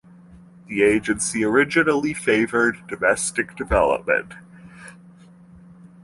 The agency originally favored domestic development.